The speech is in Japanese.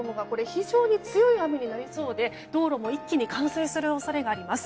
非常に強い雨になりそうで道路も一気に冠水する恐れもあります。